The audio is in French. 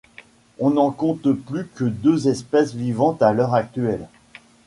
On n'en compte plus que deux espèces vivantes à l'heure actuelle.